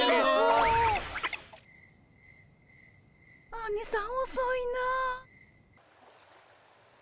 アニさんおそいなぁ。